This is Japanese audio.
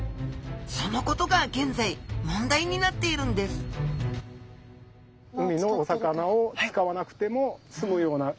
そのことが現在問題になっているんですなるほど。